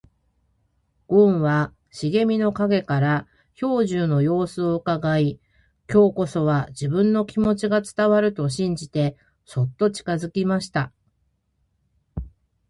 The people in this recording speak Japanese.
ごんは茂みの影から兵十の様子をうかがい、今日こそは自分の気持ちが伝わると信じてそっと近づきました。